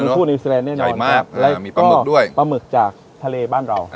หอยแมงพู่นิวซีแลนด์เนี่ยใหญ่มากแล้วก็มีปลาหมึกด้วยปลาหมึกจากทะเลบ้านเรา